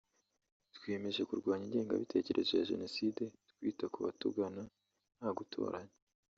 twiyemeje kurwanya ingengebitekerezo ya Jenoside twita ku batugana nta gutoranya